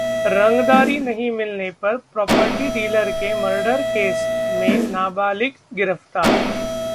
रंगदारी नहीं मिलने पर प्रॉपर्टी डीलर के मर्डर केस में नाबालिग गिरफ्तार